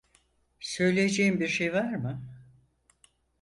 Söyleyeceğin bir şey var mı?